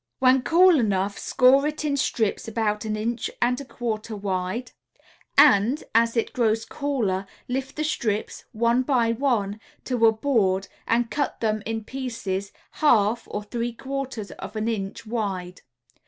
When cool enough score it in strips about an inch and a quarter wide, and, as it grows cooler, lift the strips, one by one, to a board and cut them in pieces half or three quarters of an inch wide.